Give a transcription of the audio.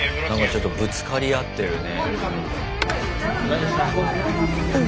ちょっとぶつかり合ってるね。